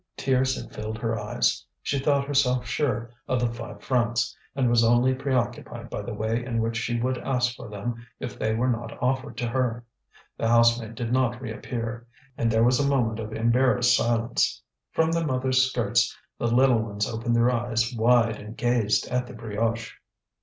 Tears had filled her eyes, she thought herself sure of the five francs, and was only preoccupied by the way in which she would ask for them if they were not offered to her. The housemaid did not reappear, and there was a moment of embarrassed silence. From their mother's skirts the little ones opened their eyes wide and gazed at the brioche.